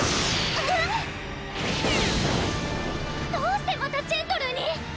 どうしてまたジェントルーに？